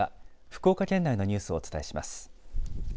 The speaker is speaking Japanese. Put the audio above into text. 福岡県内のニュースをお伝えします。